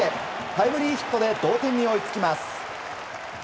タイムリーヒットで同点に追いつきます。